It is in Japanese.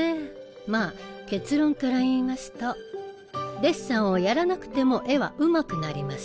まあ結論から言いますとデッサンをやらなくても絵はうまくなります。